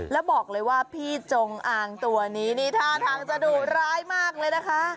แล้วบอกเลยว่าพี่จงอางตัวนี้นี่ท่าทางจะดุร้ายมากเลยนะคะ